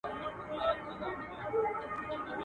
تاریخ د انسان تجربې ثبتوي